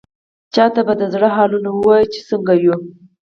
چا ته به د زړه حالونه ووايو، چې څنګه يو؟!